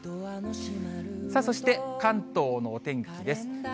そして関東のお天気です。